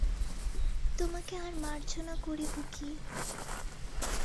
তোমাকে আর মার্জনা করিব কী?